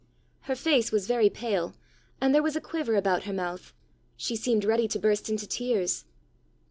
Her face was very pale, and there was a quiver about her mouth: she seemed ready to burst into tears.